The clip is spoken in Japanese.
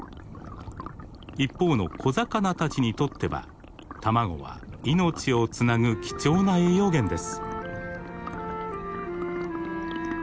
一方の小魚たちにとっては卵は命をつなぐ貴重な栄養源です。